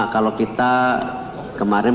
kalau kita kemarin